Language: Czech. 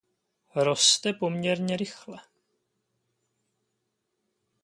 Roste poměrně rychle.